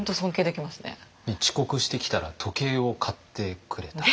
遅刻してきたら時計を買ってくれた。